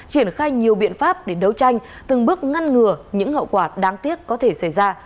triển khai nhiều biện pháp để đấu tranh từng bước ngăn ngừa những hậu quả đáng tiếc có thể xảy ra